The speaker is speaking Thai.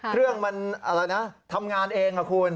เครื่องมันทำงานเองครับคุณ